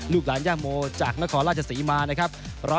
ลูกหลานย่าโมจากนครราชศรีมานะครับ